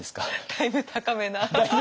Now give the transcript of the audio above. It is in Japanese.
だいぶ高めな。